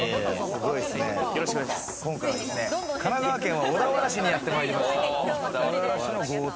今回はですね、神奈川県は小田原市にやってまいりました。